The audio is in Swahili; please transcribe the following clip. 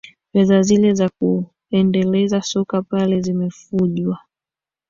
fedha zile za kuendeleza soka pale zimefujwa